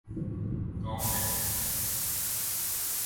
گاؤں میں ہوں۔